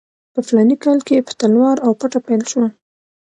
په فلاني کال کې په تلوار او پټه پیل شوه.